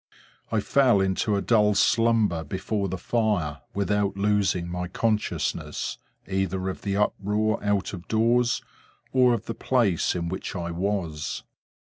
I fell into a dull slumber before the fire, without losing my consciousness, either of the uproar out of doors, or of the place in which I was.